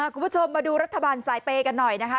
คุณผู้ชมมาดูรัฐบาลสายเปย์กันหน่อยนะคะ